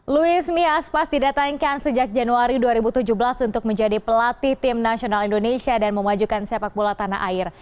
luis mia aspas didatangkan sejak januari dua ribu tujuh belas untuk menjadi pelatih tim nasional indonesia dan memajukan sepak bola tanah air